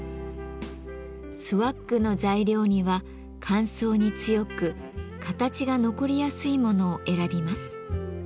スワッグの材料には乾燥に強く形が残りやすいものを選びます。